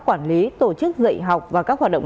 quản lý tổ chức dạy học và các hoạt động